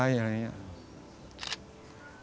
ไม่รู้ป่าคิดว่าป่าเก้ามากกว่ามันหน่อยนึง